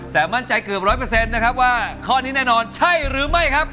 แต่มั่นใจเกือบ๑๐๐นะครับว่าข้อนี้แน่นอนใช่หรือไม่ครับ